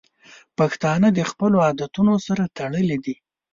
پښتانه د خپلو عادتونو سره تړلي دي.